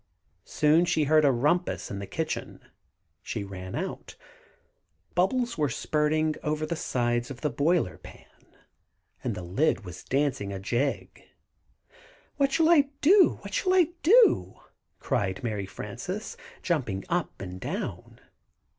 Soon, she heard a "rumpus" in the kitchen. She ran out. Bubbles were sputtering over the sides of Boiler Pan, and the lid was dancing a jig. "What shall I do? What shall I do?" cried Mary Frances, jumping up and down.